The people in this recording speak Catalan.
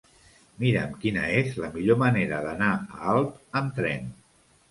Mira'm quina és la millor manera d'anar a Alp amb tren.